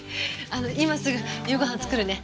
今すぐ夕ご飯作るね。